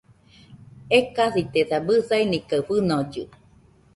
Ekasitesa, bɨsani kaɨ fɨnollɨ